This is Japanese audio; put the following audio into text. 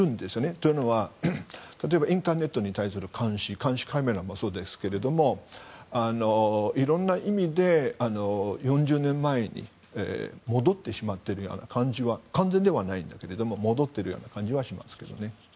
というのは例えばインターネットに対する監視監視カメラもそうですけど色んな意味で４０年前に戻ってしまっている感じは完全ではないんだけど戻っている感じはしますけどね。